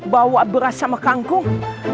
bawa beras sama kangkung